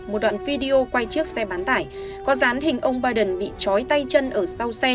một đoạn video quay chiếc xe bán tải có dán hình ông biden bị chói tay chân ở sau xe